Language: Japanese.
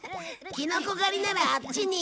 キノコ狩りならあっちに。